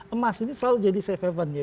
emas ini selalu jadi safe haven ya